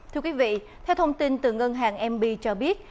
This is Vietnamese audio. thưa quý vị theo thông tin từ ngân hàng mb cho biết